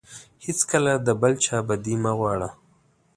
هیڅکله د بل چا بدي مه غواړه.